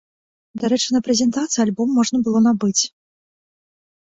Дарэчы, на прэзентацыі альбом можна было набыць.